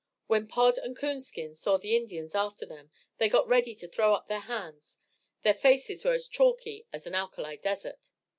When Pod and Coonskin saw the Indians after them, they got ready to throw up their hands. Their faces were as chalky as an alkali desert.